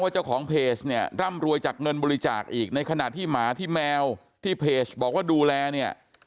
เจ้าของเพจเนี่ยร่ำรวยจากเงินบริจาคอีกในขณะที่หมาที่แมวที่เพจบอกว่าดูแลเนี่ย